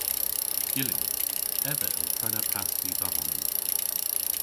Gyllydh. Ev a yll prena pasti dha honan.